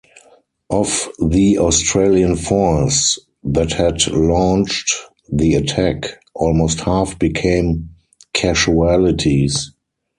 Of the Australian force that had launched the attack, almost half became casualties.